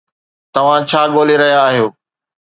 توهان ڇا ڳولي رهيا آهيو؟